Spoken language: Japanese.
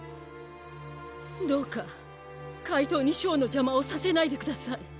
どうかかいとうにショーのじゃまをさせないでください。